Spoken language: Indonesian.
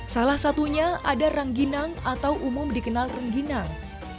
salah satunya ada rengginang atau umum dikenal rengginang